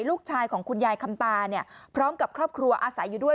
ลูกชายของคุณยายคำตาเนี่ยพร้อมกับครอบครัวอาศัยอยู่ด้วย